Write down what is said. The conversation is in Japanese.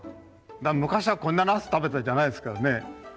昔はこんなナス食べてたんじゃないんですけどね。